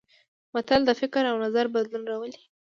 متل د فکر او نظر بدلون راولي